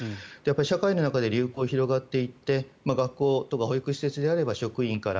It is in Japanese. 社会の中で流行が広がっていって学校とか保育施設であれば職員から。